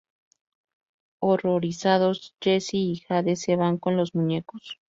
Horrorizados, Jesse y Jade se van con los muñecos.